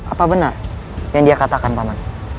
apa benar yang dia katakan paman